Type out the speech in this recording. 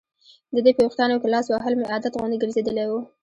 د دې په ویښتانو کې لاس وهل مې عادت غوندې ګرځېدلی و.